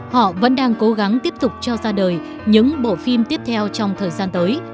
họ vẫn đang cố gắng tiếp tục cho ra đời những bộ phim tiếp theo trong thời gian tới